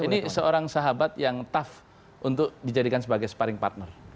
ini seorang sahabat yang tough untuk dijadikan sebagai sparring partner